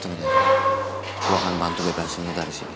tengok deh gue akan bantu bebasinnya dari sini